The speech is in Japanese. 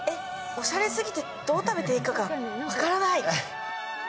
おしゃれすぎてどう食べていいか分からない。